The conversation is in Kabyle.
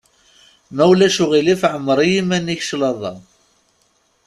Ma ulac aɣilif ɛemmeṛ i yiman-ik claḍa.